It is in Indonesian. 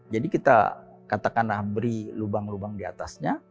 jadi kita katakanlah beri lubang lubang di atasnya